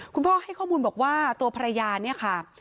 คุณพ่อให้ข้อมูลบอกว่าตัวภรรยาเนี่ยค่ะ